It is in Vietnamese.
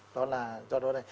đó là do đó đây